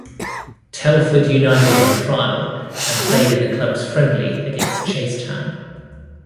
Telford United on trial and played in the club's friendly against Chasetown.